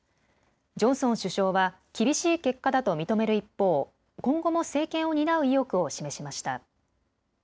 ジョンソン首相は厳しい結果だと認める一方、今後も政権を担う意欲を示しました。